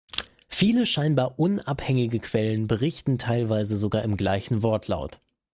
Viele scheinbar unabhängige Quellen, berichten teilweise sogar im gleichen Wortlaut.